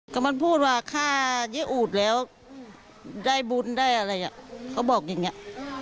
ก็มันพูดว่าค่ายี่อูดแล้วได้บุญได้อะไรอ่ะเขาบอกอย่างนี้